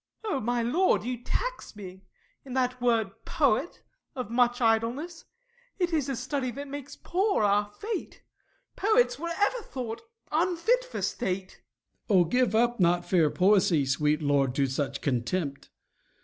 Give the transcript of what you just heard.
SURREY. Oh, my Lord, you tax me In that word poet of much idleness: It is a study that makes poor our fate; Poets were ever thought unfit for state. MORE. O, give not up fair poesy, sweet lord, To such contempt!